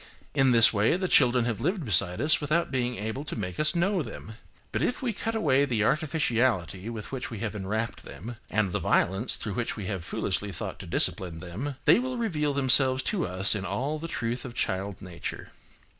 In this way, the children have lived beside us without being able to make us know them. But if we cut away the artificiality with which we have enwrapped them, and the violence through which we have foolishly thought to discipline them, they will reveal themselves to us in all the truth of child nature.